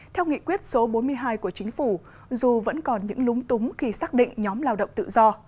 theo nghị quyết số bốn mươi hai của chính phủ dù vẫn còn những lúng túng khi xác định nhóm lao động tự do